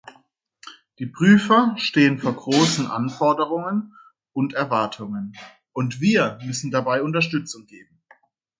Die Prüfer stehen vor großen Anforderungen und Erwartungen, und wir müssen dabei Unterstützung geben.